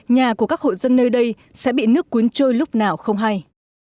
nhà của các hộ dân nơi đây sẽ bị nước cuốn trôi lúc nào không hay